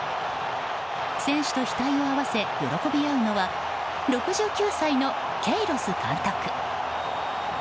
選手と顔を合わせ喜び合うのは６９歳のケイロス監督。